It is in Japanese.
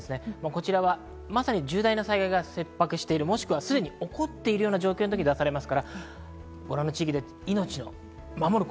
こちらはまさに重大な災害が切迫している、すでに起こっているような状況のときに出されます。